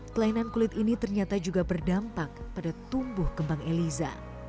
kelainan kulit ini ternyata juga berdampak pada tumbuh kembang eliza